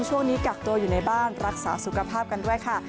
ช่วงนี้กักตัวอยู่ในบ้านรักษาสุขภาพกันด้วยค่ะ